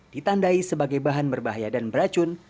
ditandai sebagai bahan berbahaya dan beracun